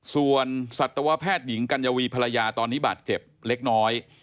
ส่วนสัตวแพทย์หญิงกัญญาวีภรรยาตอนนี้บาดเจ็บเล็กน้อย